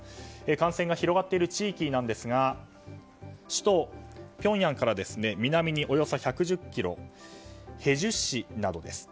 感染が広がっている地域ですが首都ピョンヤンから南におよそ１１０ｋｍヘジュ市などです。